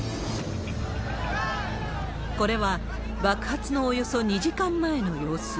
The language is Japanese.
これは、爆発のおよそ２時間前の様子。